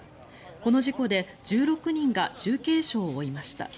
この事故で１６人が重軽傷を負いました。